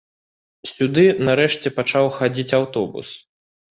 Сюды, нарэшце, пачаў хадзіць аўтобус.